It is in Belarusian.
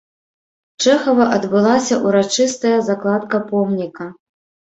Чэхава адбылася ўрачыстая закладка помніка.